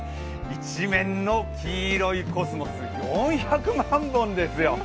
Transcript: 一面の黄色いコスモス、４００万本ですよ。